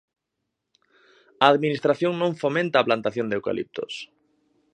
A Administración non fomenta a plantación de eucaliptos.